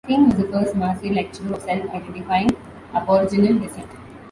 King was the first Massey lecturer of self-identifying aboriginal descent.